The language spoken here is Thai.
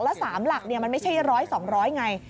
แล้ว๓หลักมันไม่ใช่๑๐๐๒๐๐ไง